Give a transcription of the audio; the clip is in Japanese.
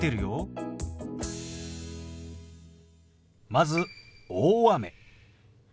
まず「大雨」。